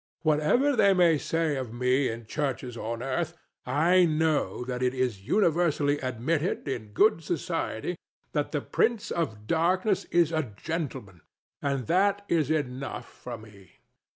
Whatever they may say of me in churches on earth, I know that it is universally admitted in good society that the prince of Darkness is a gentleman; and that is enough for me.